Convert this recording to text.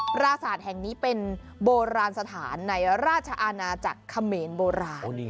ปราสาทแห่งนี้เป็นโบราณสถานในราชานะจากเขมรโบราณ